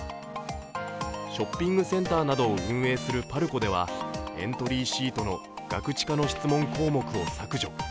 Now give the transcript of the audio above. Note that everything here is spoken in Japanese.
ショッピングセンターなどを運営するパルコではエントリーシートのガクチカの質問項目を削除。